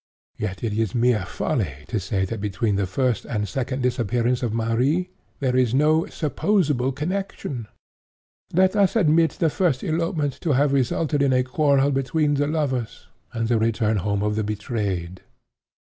Yet it is mere folly to say that between the first and second disappearance of Marie there is no supposable connection. Let us admit the first elopement to have resulted in a quarrel between the lovers, and the return home of the betrayed.